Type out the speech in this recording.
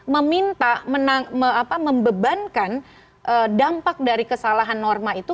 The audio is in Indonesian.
meminta membebankan dampak dari kesalahan norma itu